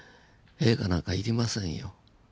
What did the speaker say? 映画なんか要りませんよ。